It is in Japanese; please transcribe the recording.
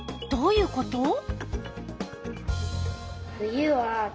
どういうこと？